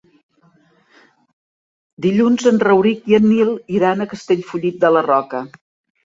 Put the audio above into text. Dilluns en Rauric i en Nil iran a Castellfollit de la Roca.